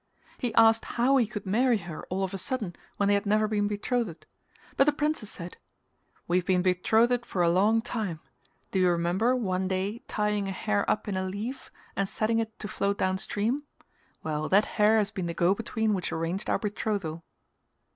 He asked how he could marry her all of a sudden when they had never been betrothed; but the princess said "We have been betrothed for a long time; do you remember one day tying a hair up in a leaf and setting it to float downstream; well that hair has been the go between which arranged our betrothal."